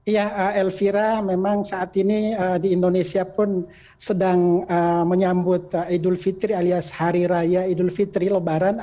ya elvira memang saat ini di indonesia pun sedang menyambut idul fitri alias hari raya idul fitri lebaran